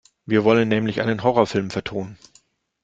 Wir wollen nämlich einen Horrorfilm vertonen.